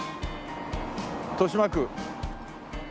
豊島区。